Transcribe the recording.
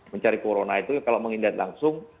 mencari corona itu kalau mengingat langsung